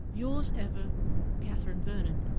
Yours ever, &c., CATHERINE VERNON.